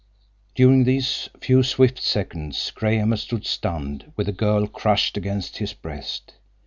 During these few swift seconds Graham had stood stunned, with the girl crushed against his breast.